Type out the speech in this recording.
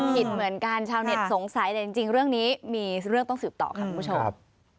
ผิดเหมือนกันชาวเน็ตสงสัยแต่จริงเรื่องนี้มีเรื่องต้องสืบต่อค่ะคุณผู้ชม